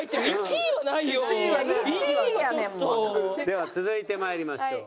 では続いてまいりましょう。